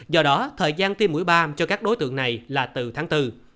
do đó thời gian tiêm mũi bam cho các đối tượng này là từ tháng bốn